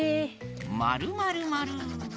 まるまるまる。